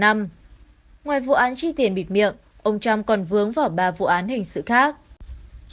ngoài vụ án chi tiền bịt miệng ông trump còn vướng vào ba vụ án hình sự khác